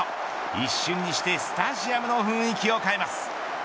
一瞬にしてスタジアムの雰囲気を変えます。